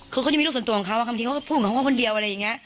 เขามีตัวตัวของเขาคงพูดกับเขาคนเดียวอะไรอย่างนี้